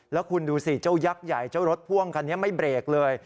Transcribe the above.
แล้วคุณดูสิเจ้ายักษ์ใหญ่เจ้ารถพ่วงคันนี้ไม่เบรกเลย